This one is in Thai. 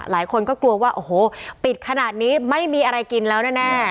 หลายคนก็กลัวว่าโอ้โหปิดขนาดนี้ไม่มีอะไรกินแล้วแน่